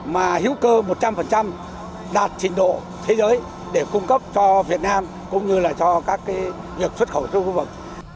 mà hữu cơ một trăm linh đạt trình độ thế giới để cung cấp cho việt nam cũng như là cho các việc xuất khẩu trong khu vực